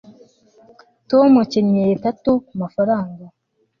tom akenyeye gato kumafaranga